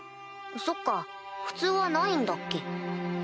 そっか普通はないんだっけ。